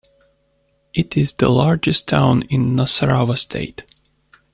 It is the largest town in Nasarawa state.